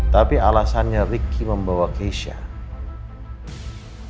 tapi alasannya ricky membawa keisha